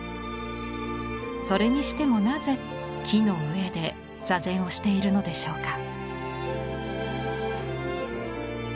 それにしてもなぜ木の上で坐禅をしているのでしょうか。